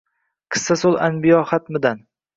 “qisasul anbiyo” xatmidan